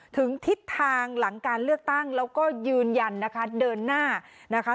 ทิศทางหลังการเลือกตั้งแล้วก็ยืนยันนะคะเดินหน้านะคะ